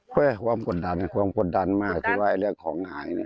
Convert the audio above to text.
คือความกดดันอะความกดดันมากก็จะเรียกให้ของนายเนี่ย